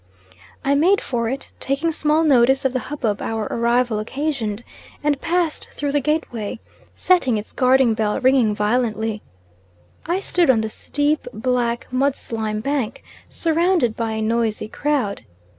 I made for it, taking small notice of the hubbub our arrival occasioned, and passed through the gateway, setting its guarding bell ringing violently; I stood on the steep, black, mud slime bank, surrounded by a noisy crowd.